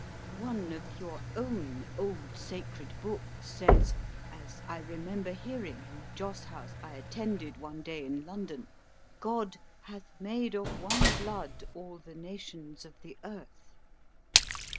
One of your own old sacred books says (as I remember hearing in the joss house I attended one day in London), 'God hath made of one blood all the nations of the earth.'